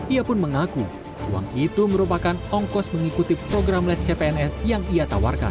ia pun mengaku uang itu merupakan ongkos mengikuti program les cpns yang ia tawarkan